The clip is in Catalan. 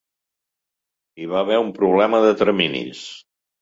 Hi va haver un problema de terminis.